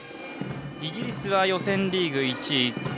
イギリスは予選リーグ１位。